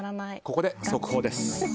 ここで速報です。